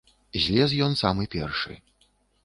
Злез ён самы першы.